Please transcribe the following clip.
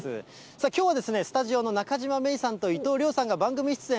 さあ、きょうはですね、スタジオの中島芽生さんと伊藤遼さんが番組出演